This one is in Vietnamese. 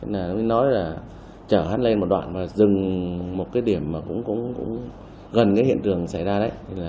là mới nói là chở hắn lên một đoạn và dừng một cái điểm mà cũng gần cái hiện trường xảy ra đấy